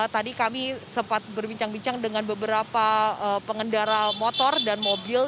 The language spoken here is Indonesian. tadi kami sempat berbincang bincang dengan beberapa pengendara motor dan mobil